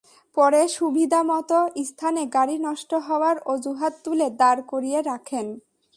পরে সুবিধামতো স্থানে গাড়ি নষ্ট হওয়ার অজুহাত তুলে দাঁড় করিয়ে রাখেন।